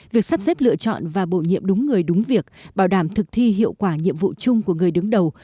việc sắp xếp lựa chọn và bổ nhiệm đúng người đúng việc bảo đảm thực thi hiệu quả nhiệm vụ chung của người đứng đầu